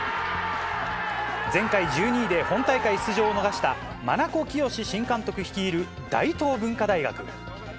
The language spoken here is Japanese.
前回１２位で本大会出場を逃した、真名子圭新監督率いる大東文化大学。